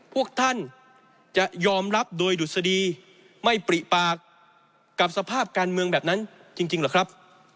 พวกท่านจะยอมรับโดยดุษฎีไม่ปริปากกับสภาพการเมืองแบบนั้นจริงเหรอครับ